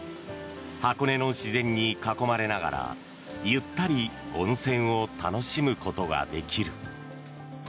箱根の自然に囲まれながらゆったり温泉を楽しむことができる。